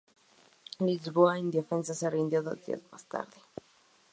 Lisboa, indefensa, se rindió dos días más tarde.